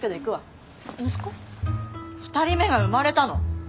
２人目が生まれたの！